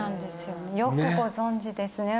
よくご存じですね